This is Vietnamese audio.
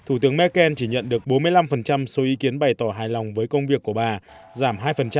thủ tướng merkel chỉ nhận được bốn mươi năm số ý kiến bày tỏ hài lòng với công việc của bà giảm hai